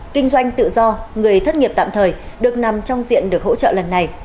kinh doanh tự do người thất nghiệp tạm thời được nằm trong diện được hỗ trợ lần này